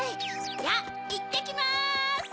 じゃあいってきます！